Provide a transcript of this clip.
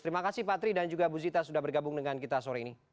terima kasih pak tri dan juga bu zita sudah bergabung dengan kita sore ini